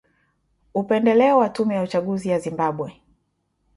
upendeleo wa tume ya uchaguzi ya Zimbabwe